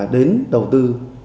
đến đầu tư